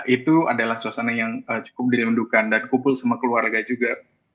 itu adalah suasana yang cukup dirindukan dan kumpul sama keluarga juga